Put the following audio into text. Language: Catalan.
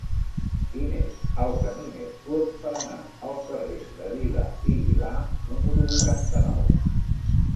Quin és el camí més curt per anar al carrer de Vila i Vilà número vuitanta-nou?